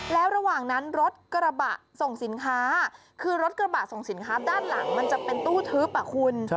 แล้วระหว่างนั้นรถกระบะส่งสินค้าคือรถกระบะส่งสินค้าด้านหลังมันจะเป็นตู้ทึบคุณ